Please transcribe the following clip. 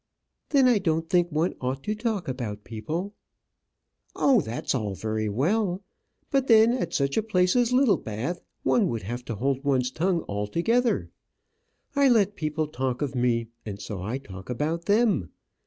"Then I don't think one ought to talk about people." "Oh, that's all very well. But then, at such a place as Littlebath, one would have to hold one's tongue altogether. I let people talk of me, and so I talk about them.